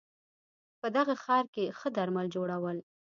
په دغه ښار کې ښه درمل جوړول